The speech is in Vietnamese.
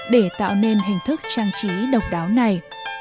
để tạo nên hình thức trang trí độc đáo này